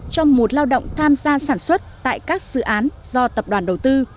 cho một lao động tham gia sản xuất tại các dự án do tập đoàn đầu tư